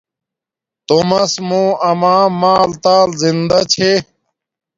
تومس موں اما مال تال زندہ چھے